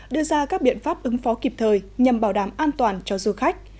đưa ra các biện pháp ứng phó kịp thời nhằm bảo đảm an toàn cho du khách